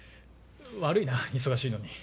悪いな忙しいのに。